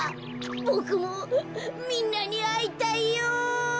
ボクもみんなにあいたいよ。